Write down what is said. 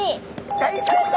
大正解！